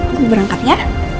gue berenget ya